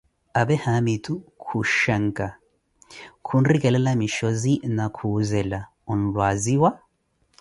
apee haamitu khushankah, khunrikelela mishozi na kuuzela: onlwaziwa?